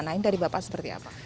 nah ini dari bapak seperti apa